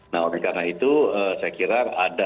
nah oleh karena itu saya kira ada